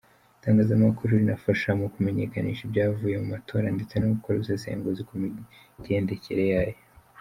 Itangazamakuru rinafasha mu kumenyekanisha ibyavuye mu matora ndetse no gukora ubusesenguzi ku migendekere yayo.